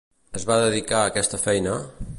Es va dedicar a aquesta feina?